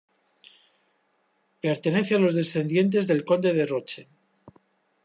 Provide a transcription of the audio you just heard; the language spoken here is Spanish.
Pertenece a los descendientes del conde de Roche.